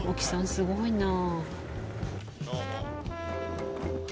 すごいなあ。